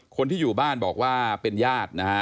คนที่อยู่บ้านบอกว่าเป็นญาตินะฮะ